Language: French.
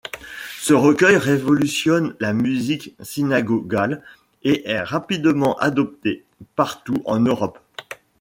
Ce recueil révolutionne la musique synagogale et est rapidement adopté partout en Europe.